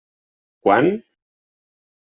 Quan?